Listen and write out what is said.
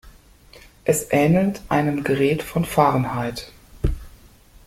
Es ähnelt einem Gerät von Fahrenheit.